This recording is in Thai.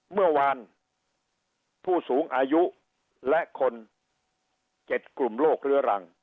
เมื่อวานผู้สูงอายุและคน๗กลุ่มโรคเรื้อรัง